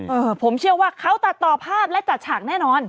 เออผมเชื่อว่าเขาตัดต่อภาพและจัดฉากแน่นอน